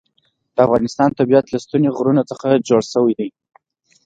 د افغانستان طبیعت له ستوني غرونه څخه جوړ شوی دی.